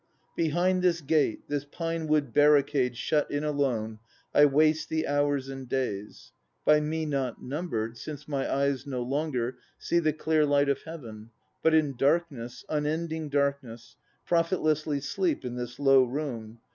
Behind this gate, This pine wood barricade shut in alone I waste the hours and days; By me not numbered, since my eyes no longer See the clear light of heaven, but in darkness, Unending darkness, profitlessly sleep In this low room.